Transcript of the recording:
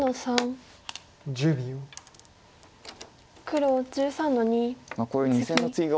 黒１３の二ツギ。